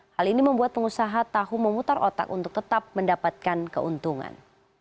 hal ini membuat pengusaha tahu memutar otak untuk tetap mendapatkan keuntungan